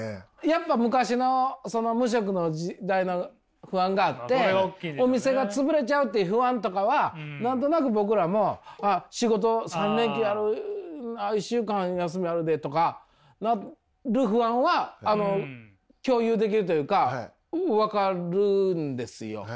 やっぱ昔の無職の時代の不安があってお店がつぶれちゃうっていう不安とかは何となく僕らもああ仕事１週間休みあるでとかなる不安は共有できるというか分かるんですよ。